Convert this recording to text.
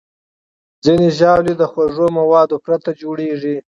ځینې ژاولې د خوږو موادو پرته جوړېږي.